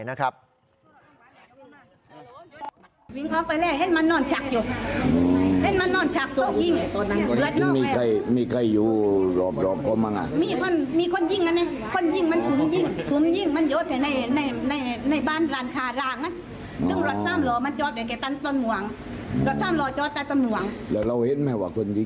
ออกจากที่เกิดเหตุไป